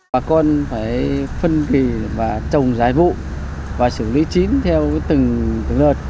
bà con phải phân kỳ và trồng giải vụ và xử lý chín theo từng đợt